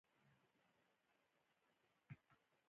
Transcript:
لکه ممنوعه ساحې ته ورنژدې شوی وي